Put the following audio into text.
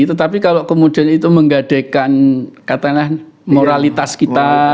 tetapi kalau kemudian itu menggadekan katanya moralitas kita